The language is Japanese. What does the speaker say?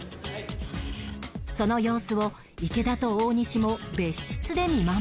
その様子を池田と大西も別室で見守る